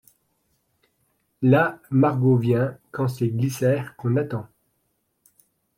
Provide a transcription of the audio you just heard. Là Margot vient quand c'est Glycère qu'on attend ;